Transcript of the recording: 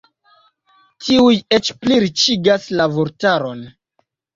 Tiuj eĉ pli riĉigas la vortaron.